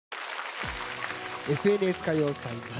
「ＦＮＳ歌謡祭夏」